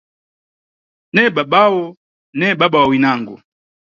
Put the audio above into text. Ne babawo, ne baba wa winango.